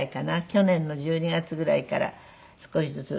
去年の１２月ぐらいから少しずつ。